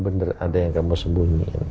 bener ada yang kamu sembunyikan